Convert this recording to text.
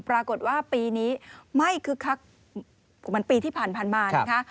ปรากฏว่าปีนี้ไม่คือคักมันปีที่ผ่านผ่านมานะคะ